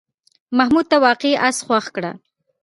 محمود ته واقعي آس خوښ کړه.